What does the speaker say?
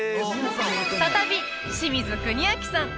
再び清水国明さん